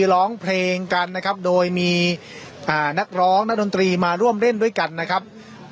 ร้องเพลงกันนะครับโดยมีนักร้องนักดนตรีมาร่วมเล่นด้วยกันนะครับ